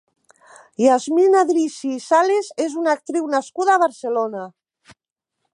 Yasmina Drissi i Sales és una actriu nascuda a Barcelona.